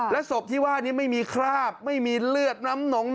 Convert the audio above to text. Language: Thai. ศพที่ว่านี้ไม่มีคราบไม่มีเลือดน้ำหนง